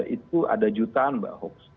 itu ada jutaan mbak hoax